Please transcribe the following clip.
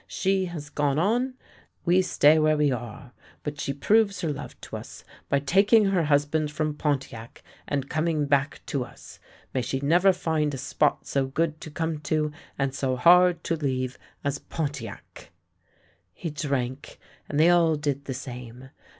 She has gone on, we stay where we are. But she proves her love to us, by taking her hus band from Pontiac and coming back to us. May she never find a spot so good to come to and so hard to leave as Pontiac! " He drank, and they all did the same.